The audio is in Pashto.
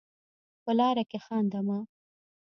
په لاره کې خانده مه.